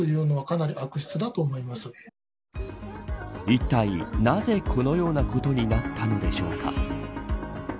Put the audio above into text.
いったい、なぜこのようなことになったのでしょうか。